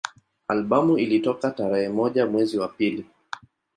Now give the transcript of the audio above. Albamu ilitoka tarehe moja mwezi wa pili